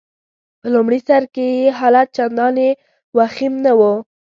په لمړي سر کي يې حالت چنداني وخیم نه وو.